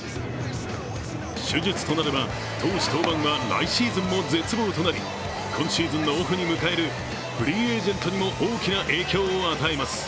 手術となれば、投手登板は来シーズンも絶望となり、今シーズンのオフに迎えるフリーエージェントにも大きな影響を与えます